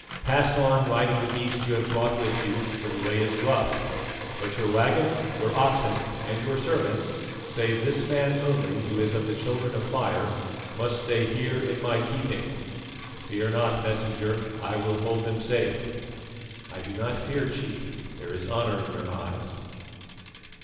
Pass on riding the beast you have brought with you, for the way is rough; but your waggon, your oxen, and your servants, save this man only who is of the Children of Fire, must stay here in my keeping. Fear not, Messenger, I will hold them safe." "I do not fear, Chief, there is honour in your eyes."